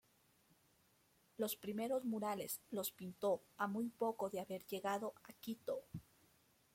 Los primeros murales los pintó a muy poco de haber llegado a Quito.